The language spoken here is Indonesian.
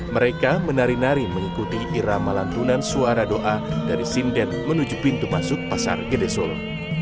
mereka menari nari mengikuti irama lantunan suara doa dari sinden menuju pintu masuk pasar gede solo